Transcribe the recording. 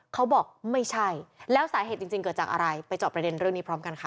เขาบอกไม่ใช่แล้วสาเหตุจริงเกิดจากอะไรไปเจาะประเด็นเรื่องนี้พร้อมกันค่ะ